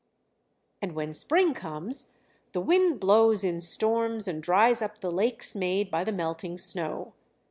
"And when spring comes the wind blows in storms and dries up the lakes made by the melting snow.